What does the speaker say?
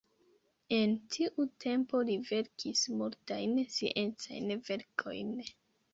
En tiu tempo li verkis multajn sciencajn verkojn.